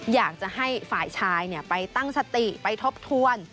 อยากจะให้ฝ่ายชายไปตั้งสติไปทบทวน